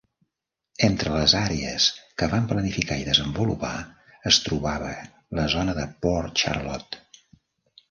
Entre les àrees que van planificar i desenvolupar es trobava la zona de Port Charlotte.